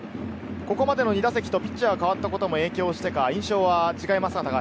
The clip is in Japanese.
ここまでの２打席と、ピッチャーが関わったことも影響してか、印象は違いますか？